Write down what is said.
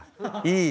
いい。